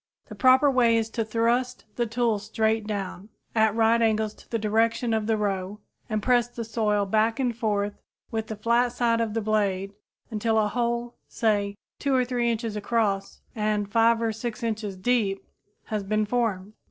The proper way is to thrust the tool straight down, at right angles to the direction of the row, and press the soil back and forth with the flat side of the blade until a hole, say 2 or 3 inches across and 5 or 6 inches deep, has been formed.